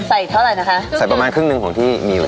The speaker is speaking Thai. ใส่เท่าไหร่นะคะใส่ประมาณครึ่งหนึ่งของที่มีอยู่